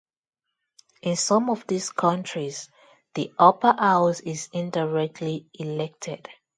In some of these countries, the upper house is indirectly elected.